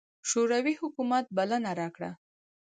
شوروي حکومت بلنه راکړه.